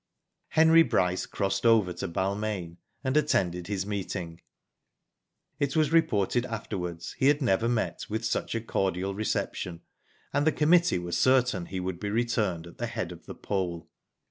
Henry Bryce crossed over • to Balmain and attended his meeting. It was reported afterwards he had never met with such a cordial reception and the committee were certain he would be returned at the head of the poll.